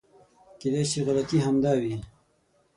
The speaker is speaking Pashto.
کېدای شي غلطي همدا وي .